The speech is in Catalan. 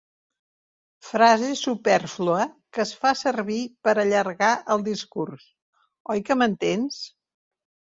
Frase supèrflua que es fa servir per allargar el discurs, oi que m'entens?